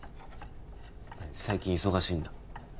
最近忙しいんだ？